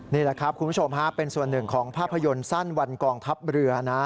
นี่แหละครับคุณผู้ชมฮะเป็นส่วนหนึ่งของภาพยนตร์สั้นวันกองทัพเรือนะ